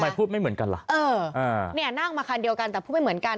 พูดไม่เหมือนกันล่ะเอออ่าเนี่ยนั่งมาคันเดียวกันแต่พูดไม่เหมือนกัน